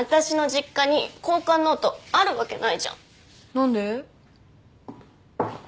何で？